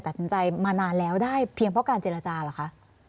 ตัดสินใจมานานแล้วได้เพียงเพราะการเจรจาเหรอคะ